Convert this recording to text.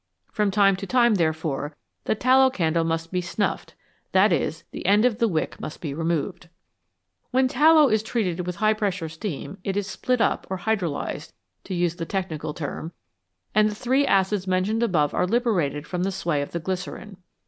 From time to time, therefore, the tallow candle must be "snuffed"; that is, the end of the wick must be removed. When tallow is treated with high pressure steam it is split up, or " hydrolysed," to use the technical term, and the three acids mentioned above are liberated from the sway of the glycerine.